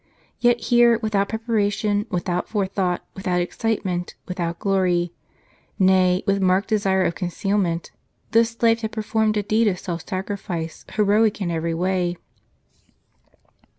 Yet here, without preparation, without forethought, without excitement, without glory, — nay, with marked desire of concealment, this slave had performed a deed of self sacri fice, heroic in every way.